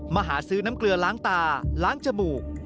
มาหาซื้อน้ำเกลือล้างตาล้างจมูก